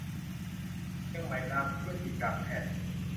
เชียงใหม่รามธุรกิจการแพทย์